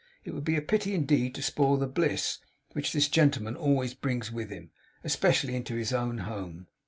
It would be a pity, indeed, to spoil the bliss which this gentleman always brings with him, especially into his own home.